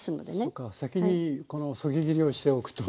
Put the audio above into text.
そうか先にこのそぎ切りをしておくと。